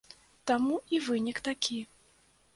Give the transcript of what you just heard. Таму і вынік такі.